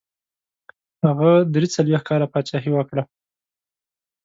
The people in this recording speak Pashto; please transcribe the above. هغه دري څلوېښت کاله پاچهي وکړه.